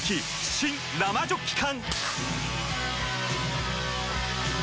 新・生ジョッキ缶！